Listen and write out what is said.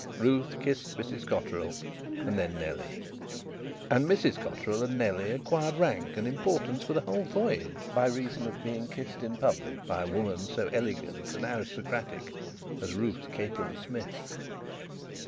Ruth kissed Mrs Cotterill and then Nellie. And Mrs Cotterill and Nellie acquired rank and importance for the whole voyage by reason of being kissed in public by a woman so elegant and aristocratic as Ruth Capron Smith.